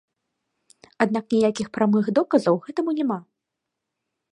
Аднак ніякіх прамых доказаў гэтаму няма.